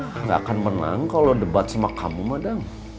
tidak akan menang kalau debat sama kamu madang